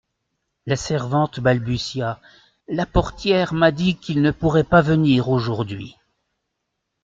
La servante balbutia : La portière m'a dit qu'il ne pourrait pas venir aujourd'hui.